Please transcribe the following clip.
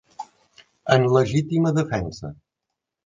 En legítima defensa.